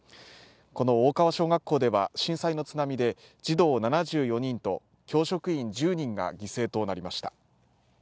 この大川小学校では震災の津波で児童７４人と教職員１０人が犠牲となりました。